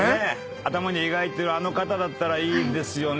頭に描いてるあの方だったらいいですよね。